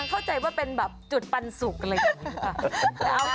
เข้าใจว่าเป็นแบบจุดปันสุกอะไรอย่างนี้ค่ะ